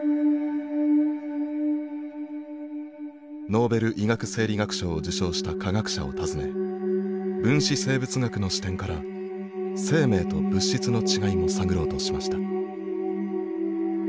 ノーベル医学生理学賞を受賞した科学者を訪ね分子生物学の視点から生命と物質の違いも探ろうとしました。